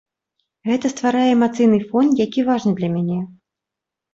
Гэта стварае эмацыйны фон, які важны для мяне.